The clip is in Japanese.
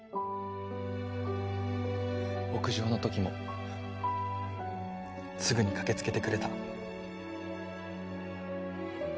屋上の時もすぐに駆けつけてくれた。